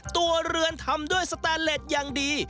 ตัวเรือนทำด้วยสแตนเล็ตอย่างดี